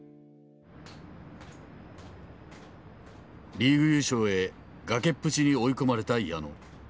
リーグ優勝へ崖っぷちに追い込まれた矢野。